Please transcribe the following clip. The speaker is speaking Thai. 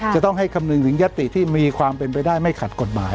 จะต้องให้คำนึงถึงยัตติที่มีความเป็นไปได้ไม่ขัดกฎหมาย